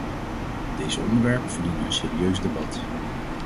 Deze onderwerpen verdienen een serieus debat.